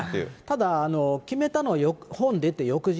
ただ、決めたのは本出て翌日。